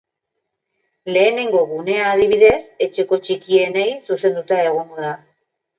Lehenengo gunea, adibidez, etxeko txikienei zuzenduta egongo da.